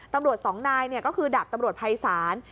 ตำรวจสองนายก็คือดับตำรวจภัยศาล